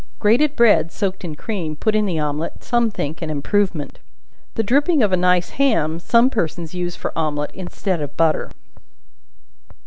Grated bread, soaked in cream, put in the omelet, some think an improvement. The dripping of a nice ham, some persons use for omelet instead of butter.